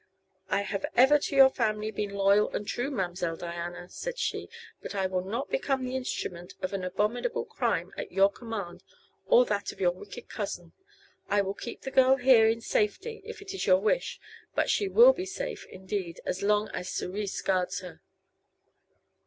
"I have ever to your family been loyal and true, Ma'm'selle Diana," said she, "but I will not become the instrument of an abominable crime at your command or that of your wicked cousin. I will keep the girl here in safety, if it is your wish; but she will be safe, indeed, as long as Cerise guards her."